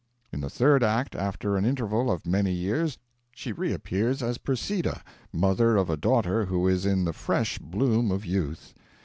In the third act, after an interval of many years, she reappears as Persida, mother of a daughter who is in the fresh bloom of youth.